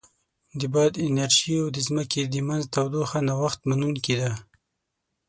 د باد انرژي او د ځمکې د منځ تودوخه نوښت منونکې ده.